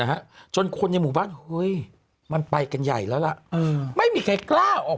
นะฮะจนคน๑๖๐๐บาทหึยมันไปกันใหญ่แล้วนะไม่มีใครกล้าออก